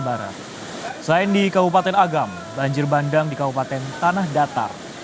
selain di kabupaten agam banjir bandang di kabupaten tanah datar